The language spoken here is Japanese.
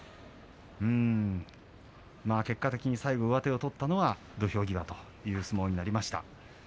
結果的に最後上手を取ったのは土俵際という相撲になりました。